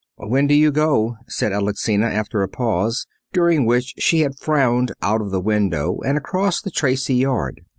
"When do you go?" said Alexina, after a pause, during which she had frowned out of the window and across the Tracy yard.